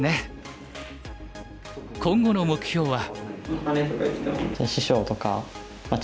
今後の目標は。